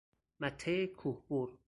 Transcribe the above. مته کوه بر